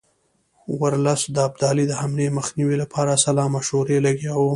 ورلسټ د ابدالي د حملې مخنیوي لپاره سلا مشورو لګیا وو.